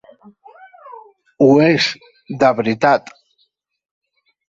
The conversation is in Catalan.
Ho és, de veritat!